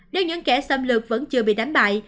nếu những kẻ xâm lực vẫn chưa bị đánh bại